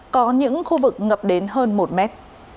có những khu vực ngập đến hơn một mét